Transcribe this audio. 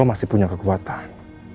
lo masih punya kekuatan